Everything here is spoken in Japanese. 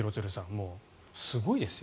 もうすごいですよ。